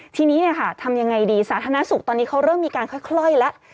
ทีนี้เนี่ยค่ะทำยังไงดีสาธารณสุขตอนนี้เขาเริ่มมีการค่อยแล้ว